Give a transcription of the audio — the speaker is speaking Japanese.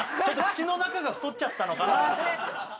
ちょっと口の中が太っちゃったのかな？